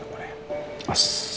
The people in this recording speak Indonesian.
oke tante boleh